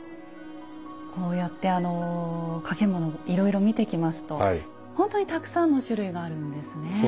こうやって掛物いろいろ見てきますと本当にたくさんの種類があるんですね。